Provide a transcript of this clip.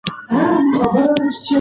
د څیړنې ډلې پخوانۍ څیړنې بیا کتلي دي.